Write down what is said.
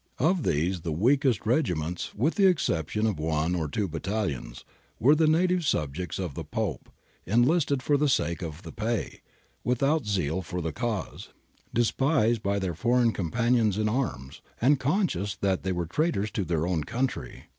Of these the weakest regiments, with the exception of one or two battalions, were the native subjects of the Pope, enlisted for the sake of the pay, without zeal for the cause, despised by their foreign companions in arms, and conscious that they were traitors to their own country.